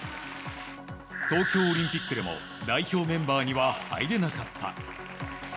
東京オリンピックでも代表メンバーには入れなかった。